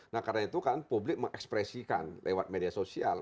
nah karena itu kan publik mengekspresikan lewat media sosial